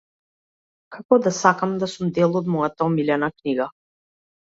Како да сакам да сум дел од мојата омилена книга.